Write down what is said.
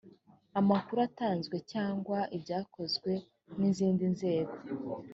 amakuru atanzwe cyangwa ibyakozwe n’ izindi nzego